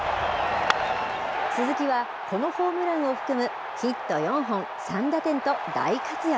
鈴木は、このホームランを含むヒット４本、３打点と大活躍。